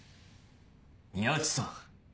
宮内さん